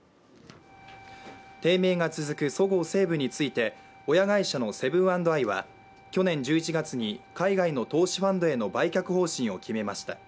低迷が続くそごう・西武について親会社のセブン＆アイは去年１１月に海外の投資ファンドへの売却方針を決めました。